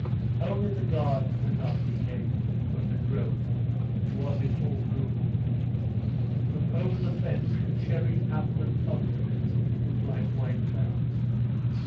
Only the garden had not decayed, but had grown, and was in full bloom; from over the fence the cherry, apple, and plum trees looked like white clouds.